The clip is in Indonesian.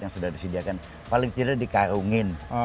yang sudah disediakan paling tidak dikarungin